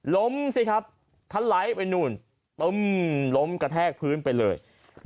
ล้มซิครับทันไลท์ไปนู่นปึ้มล้มกระแทกพื้นไปเลย